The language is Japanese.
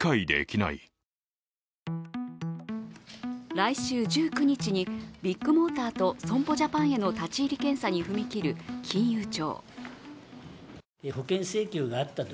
来週１９日にビッグモーターと損保ジャパンへの立ち入り検査に踏み切る金融庁。